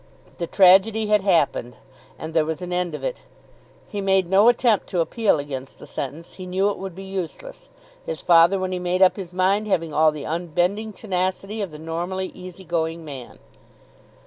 The tragedy had happened, and there was an end of it. He made no attempt to appeal against the sentence. He knew it would be useless, his father, when he made up his mind, having all the unbending tenacity of the normally easy going man.